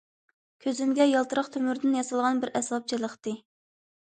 كۆزۈمگە يالتىراق تۆمۈردىن ياسالغان بىر ئەسۋاب چېلىقتى.